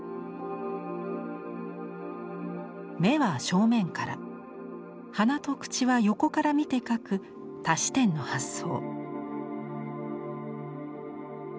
目は正面から鼻と口は横から見て描く多視点の発想。